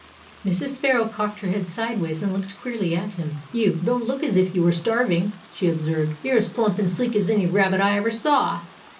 Mrs. Sparrow cocked her head sideways and looked queerly at him. "You don't look as if you were starving," she observed. "You're as plump and sleek as any rabbit I ever saw."